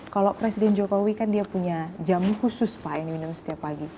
kalau presiden jokowi kan dia punya jamu khusus pak yang dia minum setiap pagi